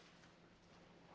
gak ada apa apa